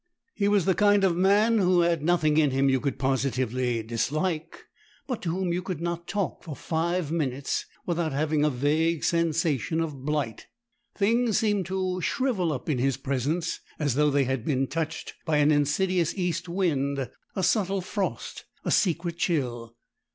He was the kind of man who had nothing in him you could positively dislike, but to whom you could not talk for five minutes without having a vague sensation of blight. Things seemed to shrivel up in his presence as though they had been touched by an insidious east wind, a subtle frost, a secret chill.